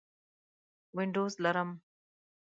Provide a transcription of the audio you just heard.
وینډوز لرم